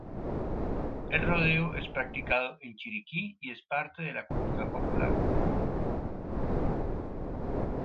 El rodeo es practicado en Chiriquí y es parte de la cultura popular.